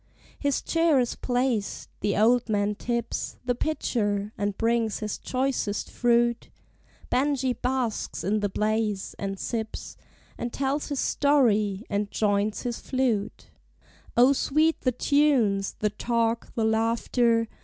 His chair is placed; the old man tips The pitcher, and brings his choicest fruit; Benjie basks in the blaze, and sips, And tells his story, and joints his flute: O, sweet the tunes, the talk, the laughter!